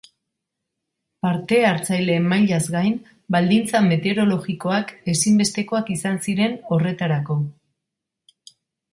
Parta hartzaileen mailaz gain, baldintza meteorologikoak ezinbestekoak izan ziren horretarako.